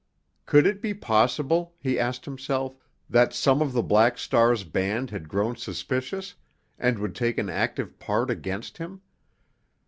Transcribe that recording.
Could it be possible, he asked himself, that some of the Black Star's band had grown suspicious and would take an active part against him?